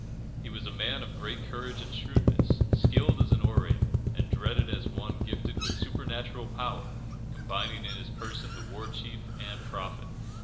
He was a man of great courage and shrewdness, skilled as an orator, and dreaded as one gifted with supernatural power, combining in his person the war chief and prophet.